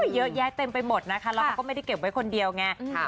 เยอะแยะเต็มไปหมดนะคะแล้วเขาก็ไม่ได้เก็บไว้คนเดียวไง